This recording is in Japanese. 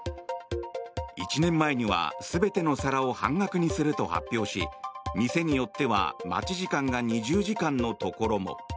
１年前には全ての皿を半額にすると発表し店によっては待ち時間が２０時間のところも。